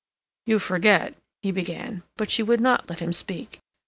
"You forget—" he began, but she would not let him speak.